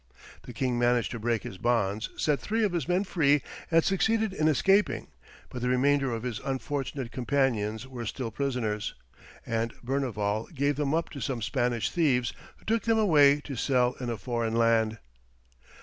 The king managed to break his bonds, set three of his men free, and succeeded in escaping, but the remainder of his unfortunate companions were still prisoners, and Berneval gave them up to some Spanish thieves, who took them away to sell in a foreign land.